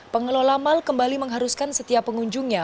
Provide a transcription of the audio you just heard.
pengelola mal kembali mengharuskan setiap pengunjungnya